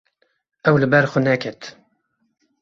Ew li ber xwe neket.